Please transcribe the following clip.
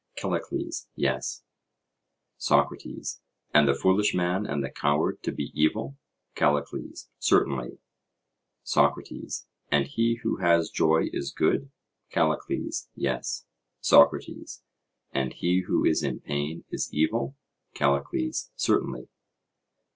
CALLICLES: Yes. SOCRATES: And the foolish man and the coward to be evil? CALLICLES: Certainly. SOCRATES: And he who has joy is good? CALLICLES: Yes. SOCRATES: And he who is in pain is evil? CALLICLES: Certainly.